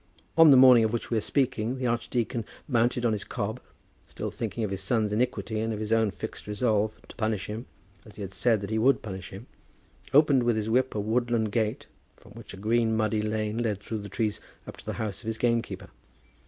On the morning of which we are speaking, the archdeacon, mounted on his cob, still thinking of his son's iniquity and of his own fixed resolve to punish him as he had said that he would punish him, opened with his whip a woodland gate, from which a green muddy lane led through the trees up to the house of his gamekeeper.